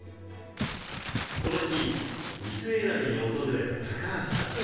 この日椅子選びに訪れた高橋さん。